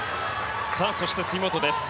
そして、杉本です。